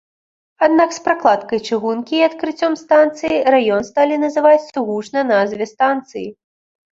Аднак з пракладкай чыгункі і адкрыццём станцыі раён сталі называць сугучна назве станцыі.